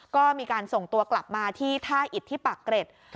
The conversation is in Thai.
ก็มีการส่งตัวกลับมาที่ท่าอิดที่ปากเกร็ด